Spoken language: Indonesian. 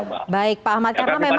baik pak ahmad karena memang